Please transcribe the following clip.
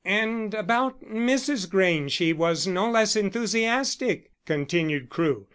"And about Mrs. Grange he was no less enthusiastic," continued Crewe.